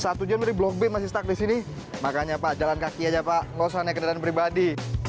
satu jam dari blok b masih stuck di sini makanya pak jalan kaki aja pak nggak usah naik kendaraan pribadi